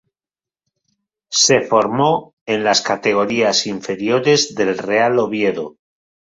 Se formó en las categorías inferiores del Real Oviedo.